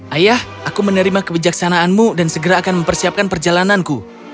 ayah aku menerima kebijaksanaanmu dan segera akan mempersiapkan perjalananku